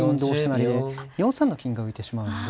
成で４三の金が浮いてしまうんで。